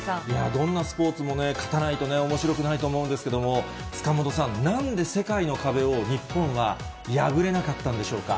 どんなスポーツも、勝たないとおもしろくないと思うんですけれども、塚本さん、なんで世界の壁を日本は破れなかったんでしょうか。